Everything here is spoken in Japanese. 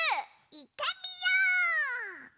いってみよう！